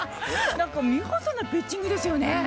何か見事なピッチングですよね。